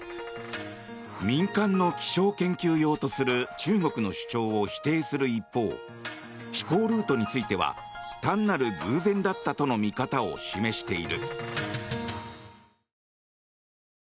民間の気象研究用とする中国の主張を否定する一方飛行ルートについては単なる偶然だったとの見方を示している。